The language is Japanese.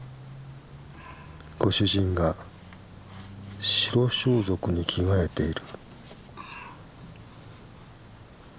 ご主人が白装束に着替えている。